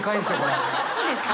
そうですか？